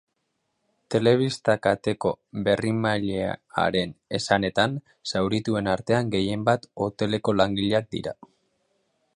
Telebista kateko berriemailearen esanetan, zaurituen artean gehienbat hoteleko langileak dira.